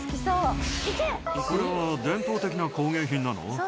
これは伝統的な工芸品なの？